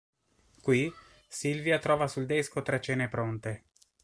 Qui, Sylvia trova sul desco tre cene pronte.